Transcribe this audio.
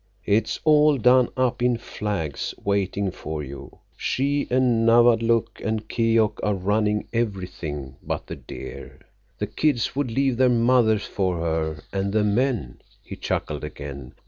It's all done up in flags, waiting for you. She an' Nawadlook and Keok are running everything but the deer. The kids would leave their mothers for her, and the men—" He chuckled again.